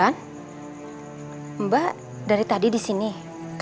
apa menurut promoting